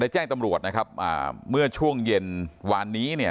แจ้งตำรวจนะครับอ่าเมื่อช่วงเย็นวานนี้เนี่ย